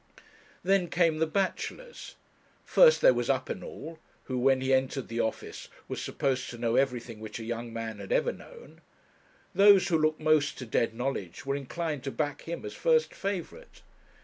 Then came the bachelors. First there was Uppinall, who, when he entered the office, was supposed to know everything which a young man had ever known. Those who looked most to dead knowledge were inclined to back him as first favourite.